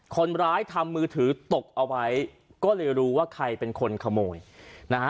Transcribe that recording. คนร้ายทำมือถือตกเอาไว้ก็เลยรู้ว่าใครเป็นคนขโมยนะฮะ